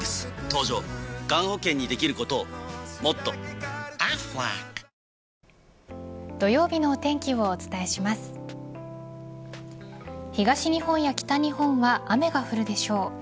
東日本や北日本は雨が降るでしょう。